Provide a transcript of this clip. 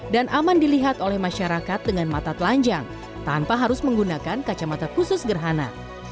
dan aman dilihat oleh masyarakat dengan mata telanjang tanpa harus menggunakan kacamata khusus gerhana